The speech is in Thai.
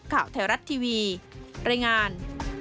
ข่าวไทยรัฐทีวีรายงาน